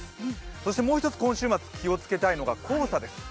そしてもう一つ今週末気をつけたいのが黄砂です。